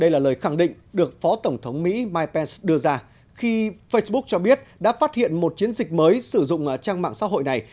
đây là lời khẳng định được phó tổng thống mỹ mike pence đưa ra khi facebook cho biết đã phát hiện một chiến dịch mới sử dụng trang mạng xã hội này